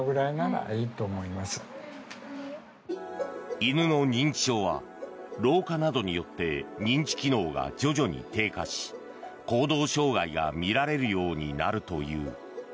犬の認知症は老化などによって認知機能が徐々に低下し行動障害が見られるようになるという。